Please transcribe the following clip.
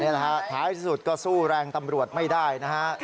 นะฮะท้ายสุดก็สู้แรงตำรวจไม่ได้นะฮะ